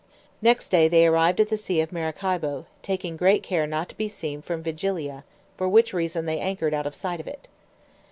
Next day they arrived at the sea of Maracaibo, taking great care not to be seen from Vigilia, for which reason they anchored out of sight of it.